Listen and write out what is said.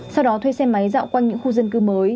sau đó thuê xe máy dạo quanh những khu dân cư mới